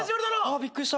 びっくりした。